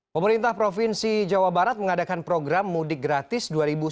pemerintah provinsi jawa barat mengadakan program mudik gratis dua ribu sembilan belas